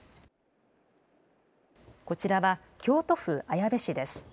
こちらは京都府綾部市です。